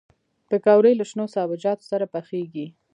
پکورې له شنو سابهجاتو سره پخېږي